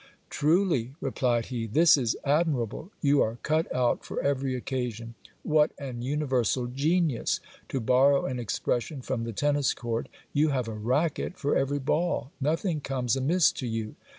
Truly, replied he, this is admirable. You are cut out for every occasion. What an universal genius ! To borrow an expression from the tennis court, you have a racket for every ball ; nothing comes amiss to you.